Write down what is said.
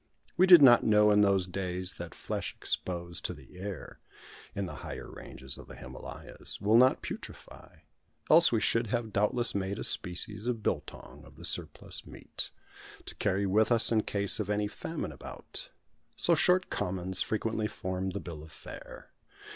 We did not know in those days that flesh exposed to the air, in the higher ranges of the Himalayas, will not putrefy, else we should have doubtless made a species of biltong of the surplus meat, to carry with us in case of any famine about. So "short commons" frequently formed the bill of fare.